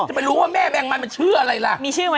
จะไปรู้ว่าแม่แมงมันมันชื่ออะไรล่ะ